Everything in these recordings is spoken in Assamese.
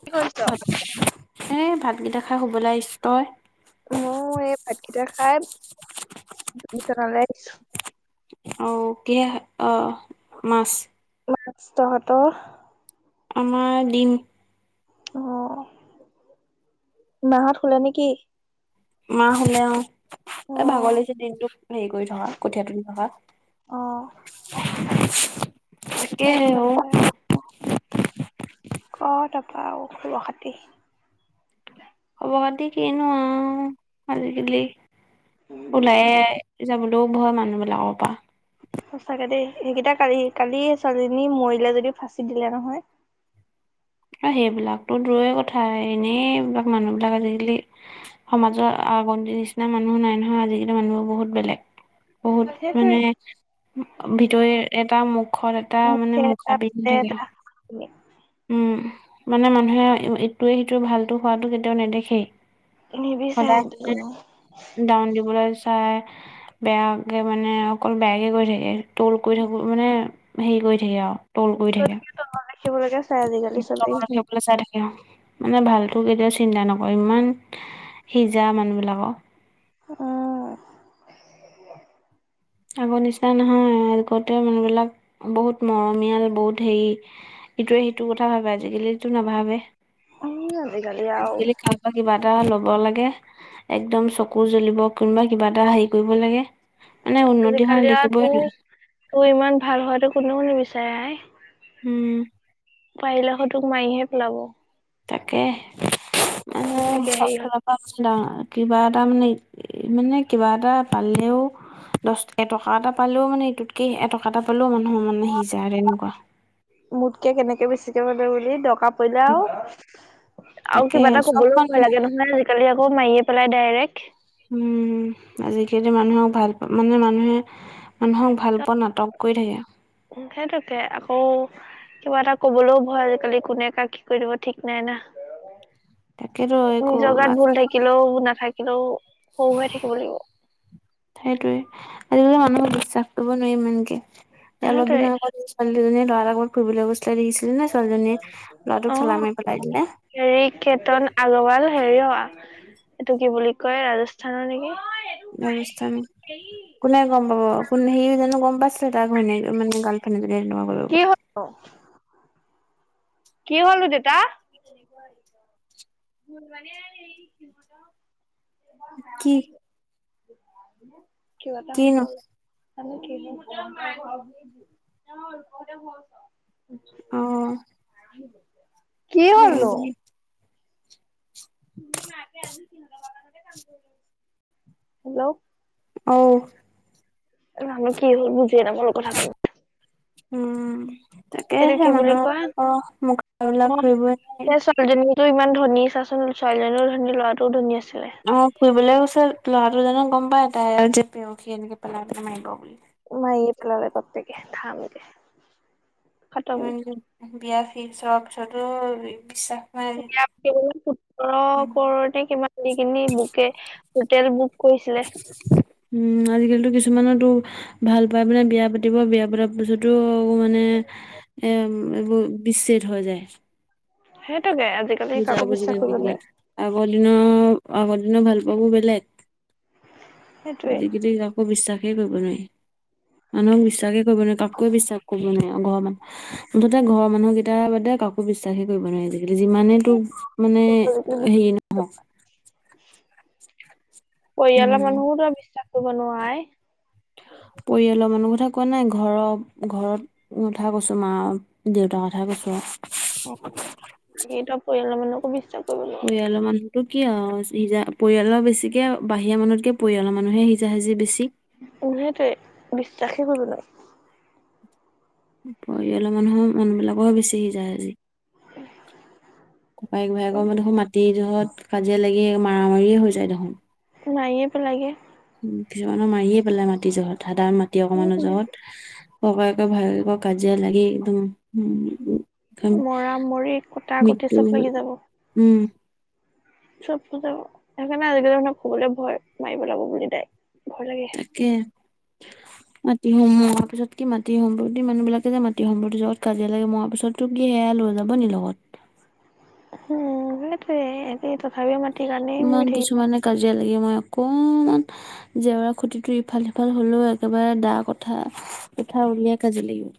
কি কৰিছ? এ ভাতকেইটা খাই শুবলৈ আহিছ। তই? মও এই ভাতকেইটা খাই, বিচনালৈ আহিছো। অ কি, অ মাছ? মাছ, তহঁত? আমাৰ দিম। অ, মাহঁত শুলে নে কি? মা শুলে অ'। এ ভাগৰ অ' লাগিছে দিনটো হেৰি কৰি থকা, কঠীয়া তুলি থকা। অ' তাকে হে ও। তাৰপিছতে ক তাৰপা আৱ খবৰ খাটি? খব খাতি কিনো আও, আজিকালি ওলইে যাবলে লো [unintelligible] হয় মানুহবিলাকৰ পৰা। সঁচাকে দেই, এইকেইটা কালি, কালি ছোৱালীজনী মৰিলে যদি, ফাঁচি দিলে নহয়। অ সেইবিলাকতো দূৰৰেই কথা, এনেই এইবিলাক মানুহবিিলাক আজিকালি সমাজত আগৰ নিচিনা মানুহ নাই নহয়, আজি-কালি মানুহ বহুত বেলেগ। বহুত সেইটোৱে মানে ভিতৰি এটা, মুখত এটা মুখে মানে এটা মুখা পিন্ধি পেটে থাকে আও। [unintelligible] উম মানে মানুহে ইটোৱে সিটোৱে ভালটো হোৱাটো কেতিয়াও নেদেখেই। সদাই নিবিচাৰে কোনো ডাউন দিবলে চায়। বেয়াকে মানে অকল বেয়াকে কৰি থাকে। টোল কৰি থাকো মানে হেৰি কৰি থাকে আৰু। তুল কৰি থাকে। [unintelligible] ৰাখিবলৈকে [unintelligible] চবেই। [unintelligible] মানে ভালটো কেতিয়াও চিন্তা নকৰে। ইমান হিজা মানুহবিলাকক। অ। আগৰ নিচিনা নহয়। আগতে মানুহবিলাক বহুত মৰমীয়াল বহুত হেই ইটোৱে সিটো কথা ভাবে। আজি-কালিটো নাভাবে। ই আজি-কালি আও বা কিবা এটা ল'ব লাগে একদম চকু জ্বলিব। কোনোবা কিবা এটা হাই কৰিব লাগে মানে উন্নতি হোৱা আজি-কালি আৰু দেখিবই তোৰ, নোৱাৰি তোৰ ইমান ভাল হোৱাটো কোনেও নিবিচাৰে আই। উম। পাৰিলে আক' তোক মাৰিহে পেলাব। তাকে [unintelligible] বেছিকে হেৰি আচ্ছা কিবা এটা মানে মানে কিবা এটা পালেও দছ এটকা এটা পালেও মানে ইটোতকে এটকা এটা পালেও মানুহৰ মন হিযা আৰু এনেকুৱা। মোতকে কেনেকে বেছিকে পালে বুলি দকা কৈলেও আও। আও তাকে কিবা এটা চব কবলৈও ভয় মানুহে লাগে নহয় আজি-কালি আকৌ মাৰিয়ে পেলাই ডাইৰেক। উম, আজি-কালি মানুহক ভাল পা মানে মানুহে মানুহক ভাল পোৱা নাটক কৰি থাকে। উ সেইটোকে আকৌ কিবা এটা ক'বলৈও ভয় আজি-কালি কোনে কাক কি কৰি দিব ঠিক নাই না। তাকেতো একো নিজৰ গাত ভুল থাকিলেও, নাথাকিলেও সৰু হৈ থাকিব লাগিব। সেইটোৱে আজি-কালি মানুহক বিশ্বাস কৰিব নোৱাৰি ইমানকে। অলপ সেইটোৱে। দিনৰ আগত ছোৱালী দুজনীয়ে ল'ৰা এটা লগত ফুৰিবলে গৈছিলে, দেখিছিলিনে? ছোৱালীজনীয়ে ল'ৰাটোক ঠেলা অ' মাৰি পেলাই দিলে। হেৰি কেতন আগ্ৰৱাল হেৰি অ এইটো কি বুলি কয় ৰাজস্থানৰ নেকি? ৰাজস্থান। পেহী কোনে গম পাব? কোনে সি জানো গম পাইছিলে তাৰ ঘৈণীয়েকে মানে গাৰ্লফ্ৰেণ্ডজনিয়ে তেনেকুৱা কৰিব কে বুলি হত অ। কি হ'ল দেতা? [unintelligible] কি কিবা এটা কি ন হ'ল। জানো কি হ'ল [unintelligible] অ। কি হ'লনো? [unintelligible] হেল্ল। অউ। জানো কি হ'ল বুজিয়ে নাপালোঁ কথাটো। উম এইটো তাকেহে কি বুলি কয় মানুহৰ [unintelligible] মুখবিলাক ধৰিবই নোৱাৰি। ছোৱালীজনীটো ইমান ধনী চাচোন। ছোৱালীজনীও ধনী ল'ৰাটোও ধনী আছিলে। অ ফুৰিবলৈ গৈছিল। ল'ৰাটো জানো গম পাই এ তাই যে প্ৰেয়সী এনেকে পেলাই পেলাই মাৰিব বুলি। মাৰিয়ে পেলালে বাপ্পেকে থামকে। [unintelligible] বিয়া ফিক্স হোৱাৰ পিছটো বি বিশ্বাস নাই সি সোতৰ উম কৰৌৰ নে কিমান দি কিনি বুকে হোটেল বুক কৰিছিলে। উম, আজিকালি কিছুমানতো ভাল পাই মানে বিয়া পাতিব বিয়া পতাৰ পিছতো মানে, এইবোৰ বিচ্ছেদ হৈ যায়। সেইটোকে আজিকালি বুজা কাকো বুজি বিশ্বাস কৰিব নাথাকিলে। নোৱাৰি। আগৰ দিনৰ, আগৰ দিনৰ ভাল পোৱাবোৰ বেলেগ। সেইটোৱে। আজিকালি কাকো বিশ্বাসেই কৰিব নোৱাৰি। মানুহক বিশ্বাসে কৰিব নোৱাৰি কাকোৱে বিশ্বাস কৰিব নোৱাৰি, ঘৰ মানুহ মুঠতে ঘৰৰ মানুহকেইটা বাদে কাকো বিশ্বাসে কৰিব নোৱাৰি। যিমানে তোক মানে হেৰি নহক। পৰিয়ালৰ উম। মানুহকো বিশ্বাসটো কৰিব নোৱাই। পৰিয়ালৰ মানুহ কথা কোৱা নাই ঘৰ ঘৰত কথা কৈছো মা দেউতাৰ কথাই কৈছো। অ, বাকিটো পৰিয়ালৰ মানুহকো বিশ্বাস কৰিব নো পৰিয়ালৰ মানুহতটো কি আৰু সিজা পৰিয়ালৰ বেছিকে বাহিৰা মানুহতকে পৰিয়ালৰ মানুহে সিজা সিজি বেছি। উম, সেইটোৱে বিশ্বাসেই কৰিব নোৱাৰি। পৰিয়ালৰ মানুহৰ মানুহ বিলাকৰ বেছি সিজা সিজি, ককায়েক ভায়েকৰ দেখো মাটিৰ জহত কাজিয়া লাগি মাৰ মাৰীয়ে হৈ যায় দেখোন। মাৰিয়ে পেলালে গে। উম, কিছুমানৰ মাৰিয়ে পেলাই মাটি জহত সাধাৰণ মাটি অকমানৰ উম জহত ককায়েক ভায়েকক কাজিয়া লাগি একদম উ মৰা মৰি কটা কটি মৃত্যু চব লাগি যাব উম, চব কথা সেইকাৰণে আজিকালি মানুহক কবলৈ ভয় মাৰিব লাগিব বুলি দাই ভয় লাগে। তাকে। মাটি সম মৰা পিছত কি মাটি সম্প্ৰতি মানুহ বিলাকে যে মাটি সম্প্ৰতি জগত কাজিয়া লাগে মৰাৰ পিছত। তোক কি সেয়া লৈ যাব নি লগত। উম, সেইটোৱে তথাপি মাটি ইমান কিছুমানে কাজিয়া লাগে মৰে অকমান জেওৰা খুতিটো ইফাল সিফাল হলেও একেবাৰে দা কথা কুঠাৰ উলিয়াই কাজিয়া লাগিব।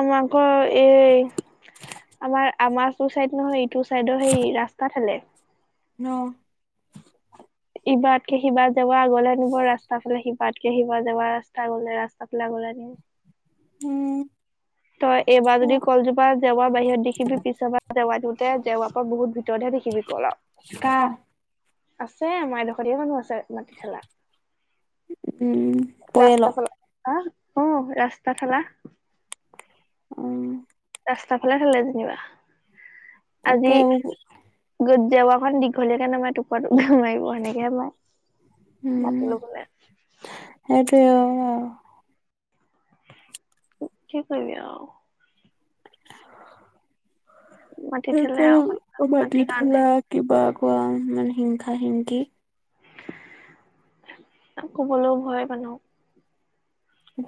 আমাৰ ঘৰ এই আমাৰ আমাৰ সো চাইদ নহয়। ইটো চাইদৰ সেই ৰাস্তা ফালে। ন [unintelligible] ইবাৰাতকে সিবাৰ যাব আগলে নিব ৰাস্তা ফালে শিবাৰকে শিবাব যৱা ৰাস্তা গলে ৰাস্তা ফালে আগলে আনিব। উম, ত এবাৰ যদি কলজোপা জেৱা বাহিৰত দেখি পিছ বা জেৱা দ জেওৰাপা বহুত ভিতৰতহে দেখিবি কল আৰু। কাৰ। আছে আমাৰডোখৰীয়া মানুহ আছে মাটি থেলা। উম ৰাস্তা পৰিয়ালৰ ঠেলা অ 'ৰাস্তা ঠেলা উম, ৰাস্তা ফালে ঠেলে যেনিবা তাকে আজি যত জেৱাখন দীঘলীয়া কে লেমাটু ৰ টো ন মাৰিব সেনেকেমাই উম মাতি লব লে সেইটোৱে। কি কৰিবি আৰু। মাটি ঠেলে আও সেইটোৱে মাটি মাটিৰ কাৰণে ঠেলা কিবা কোৱা মানে হিংসা হিংকি। কবলৈও ভয় মানুহক,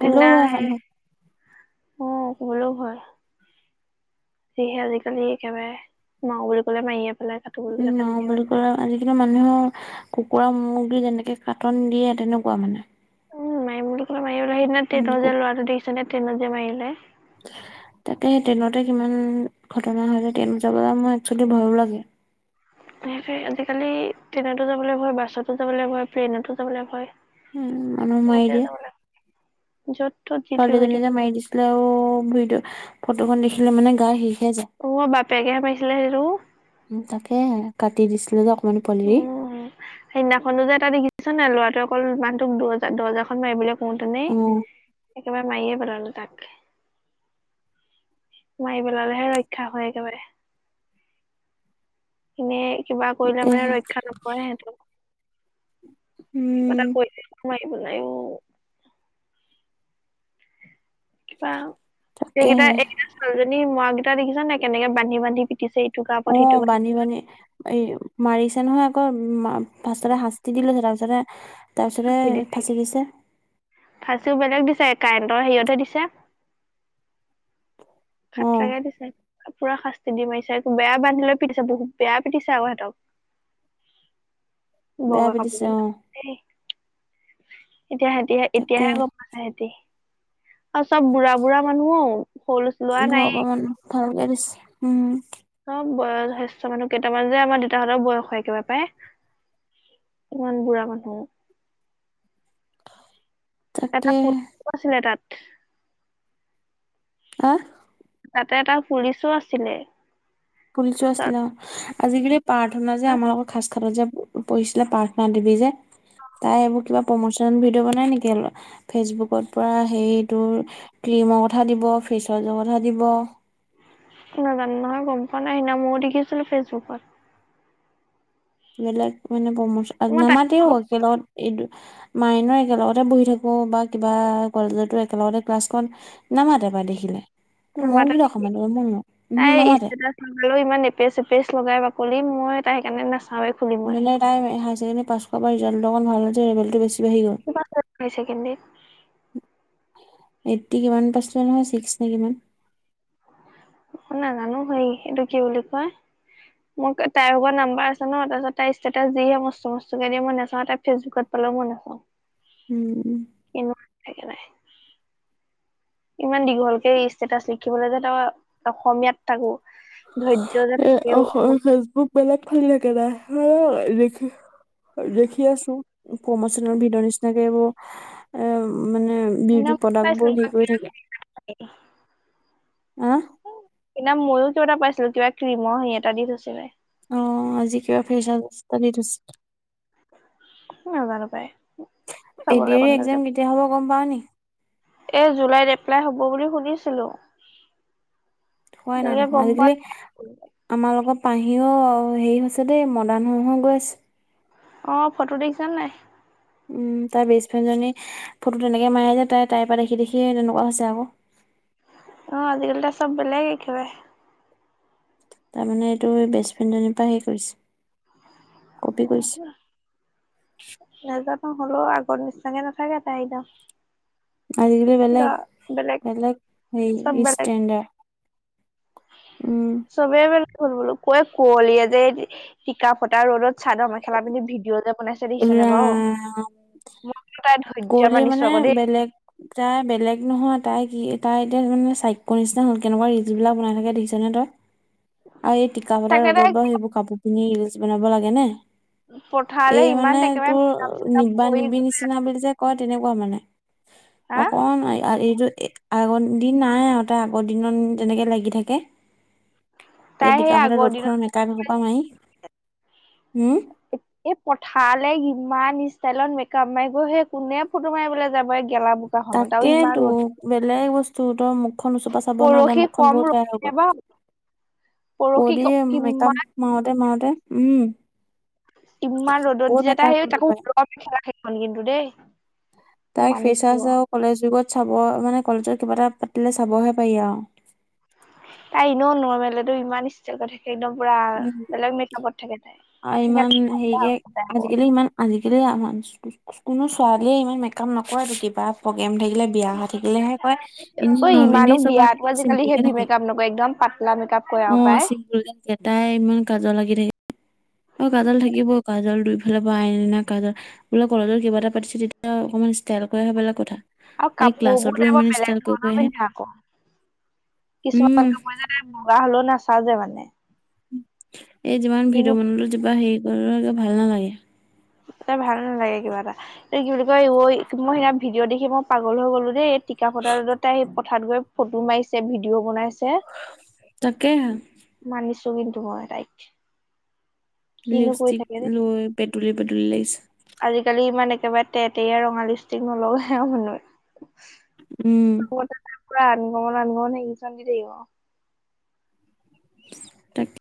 হ'লেও হয় সেই মানুহ অ' কবলেও ভয়। যিহে আজিকালি একেবাৰে মাও বুলি ক'লে মাইয়ে পেলাই বুলি উম, ক'লে কাটিয়ে পেলাই ন'বুলি কলে আজিকালি মানুহ কুকুৰা মুৰ্গী যেনেকে কাটন দিয়ে তেনেকুৱা মানে। উম মাৰিম বুলি কলেৱ মাৰি পেলাই সেইদিনা উম টেটৰ যে লৰাটো দেখিছেনেে ট্ৰেইনত যে মাৰিলে? তাকে সেই ট্ৰেইনতে কিমান ঘটনা হয় যে ট্ৰেইনত যাবলে মই একচুৱেলি ভয়ো লাগে। [unintelligible] আজিকালি ট্ৰেইনতো যাবলে ভয়, বাছতো যাবলে ভয়, ট্ৰেইনতো যাবলে ভয়। উম, মানুহ মাৰি চবতে দিয়ে। যাবলে য'ত- ত'ত যি তি হৈ ছোৱালীজনী থাকিব। যে মাৰি দিছিলে অ, ভিডিঅ ফটোখন দেখিলে মানে গা শিষহে যায়। অ, বাপেকে হে পাইছিলে সেইটো। উম, তাকে কাটি দিছিলে যে অকমানি পোৱালি। উম সেইদিনাখনো যে এটা দেখিছ নাই ল'ৰা টোৱে অকল মানুহটোক অকল দুৰ্জা - দৰ্জাখন খন মৰিবলে কওতেনে অ, একেবাৰে মাইয়ে পেলালে তাক। মাৰি পেলালেহে ৰক্ষা হয় একেবাৰে। এনে কিবা কৰিলে মানে তাকেহে ৰক্ষা নপৰে সেইতো। কিবা উম, এটা কৰিলেই মাৰি পেলাই অ। কিবা এইকেইটা তাকেহে -এইকেইটা ছোৱালীজনী মৰাকেইটা দেখিছা নাই কেনেকে বান্ধি- বান্ধি পিটিছে? ইটো গাৰ অ, ওপৰত সিটো গাৰ বান্ধি -বান্ধি এই মাৰিছে নহয় আকৌ ফাৰ্ষ্টততে শাস্তি দি লৈছে তাৰপিছতে ফাঁচি দিছে ফাচিও বেলেগ দিছে কাৰেণ্টৰ হেৰিয়তহে দিছে। অ, খাতৰাকে দিছে পুৰা শাস্তি দি মাৰিছে একো বেয়া বান্ধি লৈ পিটিছে বহুত বেয়া পিটিছে আওঁ এহতক। [inaudible] বগা পিটিছে কাপোৰ অ, বিলাক এই এতিয়া সেহতী হে তাকে এতিয়াহে গম পাইছে সেহতি আৰু চব বুঢ়া -বুঢ়া মানুহ অ, সৰু লৰা- ছোৱালী [unintelligible] ভালকে দিছে উম। চব বয় শ্ৰেষ্ঠ মানুহ কেইটামান যে আমাৰ দেউতাহঁতৰ বয়সৰ একবাৰে পায়। ইমান বুঢ়া মানুহ। তাকে এটা [unintelligible] আহ? তাতে এটা পুলিচো আছিলে। পুলিচো আছিলে চৰ- আজিকালি প্ৰাৰ্থনা যে আমাৰ লগৰ সাজখাটত যে পঢ়িছিলে প্ৰাৰ্থনা দেৱী যে? তাই এইবোৰ কিবা প্ৰমচন ভিডিঅ' বনাই নেকি অলপ? ফেচবুকত পোৰা সেইটোৰ ক্ৰীমৰ কথা দিব, ফেচৱাছৰ কথা দিব নাজানো নহয় গম পোৱা নাই সিদনা ময়ো দেখিছিলো ফেচবুকত। বেলেগ মানে প্ৰমোচন [unintelligible] মই তাই নামাতেও একেলগত এইটো মাইনো একেলগতে বহি থাকো বা কিবা কলেজতো একেলগতে ক্লাছখন নামাতে বা দেখিলে নামাতা [unintelligible] উহো নামাতে। সোমালেও ইমান এপেচ- এপেচ লগাই বাকলি মই তাই সেইকাৰণে নাচাও য়ে। মানে তাই হাই চেকেণ্ডেৰী পাছ কৰা পৰা ৰিজাল্টটো অকণ ভাল যে লেবেলটো বেছি বাঢ়ি গ'ল। কি [unintelligible] ছেকেণ্ডিত? এইথটি কিমান পাইছিলে নহয় ছিক্স নে কিমান? অ, নাজানো হেই এইটো কি বুলি কয় মোক তাইৰ আগৰ নাম্বাৰ আছে ন, তাৰপিছত তাই ষ্টেটাছ দিয়ে [unintelligible] দিয়ে নেচাওঁ তাইৰ ফেচবুকত। হলেওঁ মই নাচাও। উম, এনেকুৱা থাকে তাই। ইমান দীঘলকে ষ্টেটাচ লিখিবলৈ যে তই অসমীয়াত তাকো ধৈৰ্য যে এ থাকেও [unintelligible] ফেচবুক বেলেগ ফালি থাকে তাই অ, লিখে। দেখি আছো পমোশনৰ ভিডিঅ নিচিনাকে এইবোৰ এ মানে সেইদিনা বিউটি পাইছিলো প্ৰডাক্টবোৰ কিবা হেই কৰি থাকে, হে? সেইদিনা ময়োটো এটা পাইছিলো কিবা ক্ৰীমৰ হেই এটা দি থৈছিলে। অ আজি কিবা ফেচৱাচ এটা দি থৈছিলে। নাজানো পায়। এ ডি এৰি এ একজাম কেতিয়া হ'ব গম পাও নেকি? এ জুলাইত এপ্লাই হ'ব বুলি শুনিছিলো। খোৱাই নাই এতিয়ালৈকে দেখোন গম আজিকালি পোৱা নাই আমাৰ লগত পাহিও হেৰি হৈছে দেই মডাৰ্ণ হৈ হৈ গৈ আছে। অ ফটো দেখিছ নাই? উম তাই বেষ্ট ফ্ৰেণ্ডজনী ফটো তেনেকে মাৰাই যায় তাই তাই পা দেখি দেখিয়ে তেনেকুৱা হৈছে আক। অ আজিকালি তাই চব বেলেগ একেবাৰে। তাৰমানে এইটো বেষ্ট ফ্ৰেণ্ডজনীৰ পৰা হেই কৰিছে। কপি কৰিছে নাজানো হ'লো আগৰ নিচিনে নাথাকে তাই একদম। আজিকালি পুৰা বেলেক, বেলেগ বেলেক চব ই বেলেগ ষ্টেণ্ডাৰ। উম। চবেই মানে ফুল বোলো কয় কুৱলীয়ে যে এ টিকা ফটা ৰ'দত চাদৰ মেখেলা পিধি ভিডিঅ' যে বনাইছে দেখিছেনে বাৰু? উম কুঁৱলী মানে বেলেগ তাই বেলেগ নহয়, তাই কি তাই এতিয়া এজনী চাইকু নিচিনা হ'ল কেনেকুৱা ৰিলচবিলাক বনাই থাকে দেখিছ নে তই? আৰু এই টিকা ফতা তাকে ৰ'দত তাই বাৰু সেইবোৰ কাপোৰ পিন্ধি ৰিলচ বনাব লাগে নে? পঠালে এই ইমান মানে একেবাৰে তোৰ মেকআপ চেকআপ নিবা কৰি নিবি নিচ চিনা বুলি যে কয় তেনেকুৱা মানে হা অকণমান এইটো এই আগৰ দিন নাই আৰু তাই আগৰ দিনত তেনেকে লাগি থাকে। এই তাই সেই টিকাফটা আগৰ ৰ'দ দিনত খনত মেকআপ এহুপা মাৰি উম। এ, এ পথালে ইমান ষ্টাইলত মেকআপ মাৰি গৈ সেই কোনে ফটো মাৰিবলে যাব গেলা বোকাখনত আৰু ইমান তাকেইতো ৰ'দ বেলেগ বস্তু, তই মুখখন ওচোপা চাব নোৱাৰ তাই পৰহি মুখখন কম বহুত ৰ'দ বেয়া হৈ গল। নাইবা পৰহি কৰি মেকআপ কিমান মাৰোতে মাৰোতে উম। ইমান ৰ'দত বহুত দি যে মেকআপ তাই সেই কৰিব তাকো পাৰে ৰ'দ সেইখন কিন্তু দেই। মই তাইক মানিছো ফিচাৰ আৰু কলেজ যুগত চাব মানে কলেজত কিবা এটা পাতিলে চাবহে পাৰি আও। তাই এনেও নৰ্মেলতো ইমান ইচ ছেল কথা, সেই পুৰা উম বেলেগ মেকআপত থাকে তাই আৰু ইমান হেৰিকে সেইকাৰণে [inaudible] আজিকালি ইমান আজিকালি [inaudible] কোনো ছোৱালীয়ে ইমান মেকআপ নকৰেটো কিবা প্ৰগ্ৰেম থাকিলে বিয়া হৈ থাকিলেহে কয়, এনে ঐ নৰ্মেলি ইমানো চব বিয়াতো আজিকালি চিম্পুলকে হেভি থাকে। মেকআপ নকৰে একদম পাতলা মেকআপ কৰে অ আৰু পাই চিম্পুলকে থাকে তাই ইমান কাজৰ আঁকি থাকে। অ কাজল থাকিব, কাজল দুইফালৰ পৰা আই লিনা কাজল বোলে কলেজৰ কিবা এটা পাতিছে তেতিয়া অকমান ষ্টাইল কৰি আহা বেলেগ কথা। আৰু এই ক্লাছতো কাপোৰবোৰতে বৰ ইমান বেলেগ ষ্টাইল কৰি কৰি ধৰণৰ আহে পিন্ধে আকৌ, উম কিছুমান কাপোৰ যে বগা হলেও নাচাযে মানে। এ যিমান কিনো ভিডিঅ বনালোঁ যিবা হেৰি কৰিলেও ভাল নালাগে। ত ভাল নালাগে কিবা এটা, এ কি বুলি কয় মই সেইদিনা ভিডিঅ' দেখি মই পাগল হৈ গ'লো দেই, এই টিকাফটা ৰ'দত তাই পথাত গৈ ফটো মাৰিছে, ভিডিঅ' বনাইছে। তাকেহে। মানিছো কিন্তু মই তাইক। কিনো কৰি লিপষ্টিক থাকে দেই লয় পেটুলি - পেটুলি লাগিছে। আজিকালি ইমান একেবাৰে তেতেয়া ৰঙা লিপষ্টিক নলগায় মানুহে। উম। [inaudible] দি থাকিব ফিছ তাক